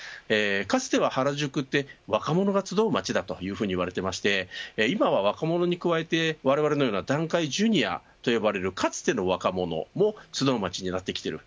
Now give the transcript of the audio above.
かつては原宿は若者が集う街だと言われていましたが今は若者に加えてわれわれのような団塊ジュニアと呼ばれるかつての若者も集う街になってきている。